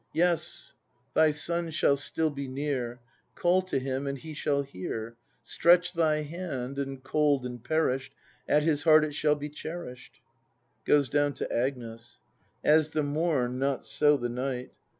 ] Yes, thy son shall still be near. Call to him, and he shall hear. Stretch thy hand, and, cold and perish'd, At his heart it shall be cherish'd. [Goes down to Agnes.] As the Morn not so the Ni^ht.